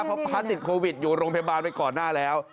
เพราะพระติดโควิดอยู่โรงพยาบาลไปก่อนหน้าแล้ว